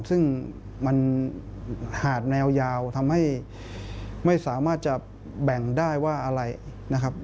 ซึ่งมันหาดแนวยาวทำให้ไม่สามารถจะแบ่งได้ว่าอะไรนะครับ